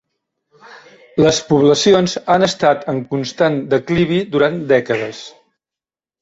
Les poblacions han estat en constant declivi durant dècades.